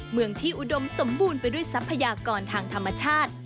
เมืองที่อุดมสมบูรณ์ไปด้วยทรัพยากรทางธรรมชาติ